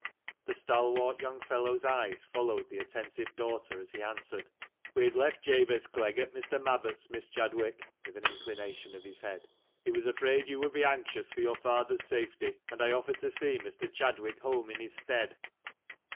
The stalwart young fellow's eyes followed the attentive daughter, as he answered — "We have left Jabez Clegg at Mr. Mabbott's, Miss Chadwick," with an inclination of his head. " He was afraid you would be anxious for your father's safety, and I offered to see Mr. Chadwick home in his stead."